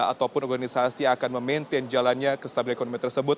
ataupun organisasi akan memaintain jalannya kestabilan ekonomi tersebut